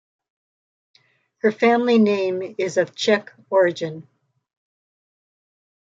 Her family name is of Czech origin.